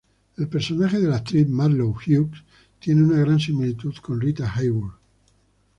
El personaje de la actriz Marlowe Hughes tiene una gran similitud con Rita Hayworth.